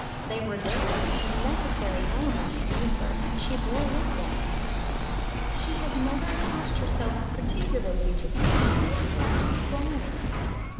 They were there, a necessary element of the universe, and she bore with them. But she had never attached herself particularly to anybody except the Squire.